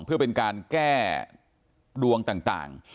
เพื่อเป็นการแก้ดวงต่าง